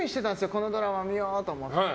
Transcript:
このドラマ見ようと思って。